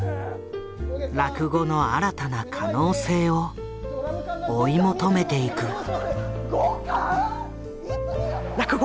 落語の新たな可能性を追い求めていく。